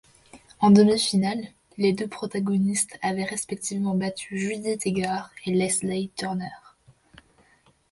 En demi-finale, les deux protagonistes avaient respectivement battu Judy Tegart et Lesley Turner.